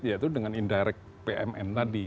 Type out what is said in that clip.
yaitu dengan indirect pmn tadi